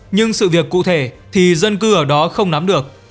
nhưng sự việc cụ thể thì dân cư ở đó không nắm được